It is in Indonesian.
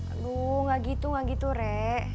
aduh gak gitu gak gitu re